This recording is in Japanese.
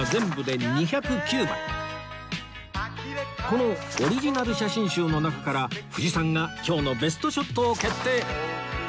このオリジナル写真集の中から藤さんが今日のベストショットを決定！